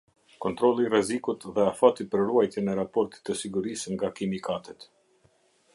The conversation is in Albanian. Kontrolli i rrezikut dhe afati për ruajtjen e Raportit të sigurisë nga kimikatet.